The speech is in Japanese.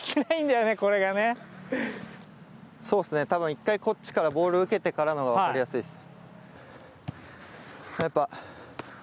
１回こっちからボールを受けてからのほうが分かりやすいです。